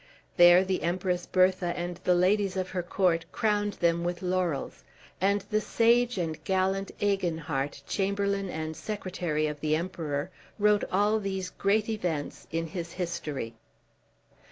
There the Empress Bertha and the ladies of her court crowned them with laurels, and the sage and gallant Eginhard, chamberlain and secretary of the Emperor, wrote all these great events in his history.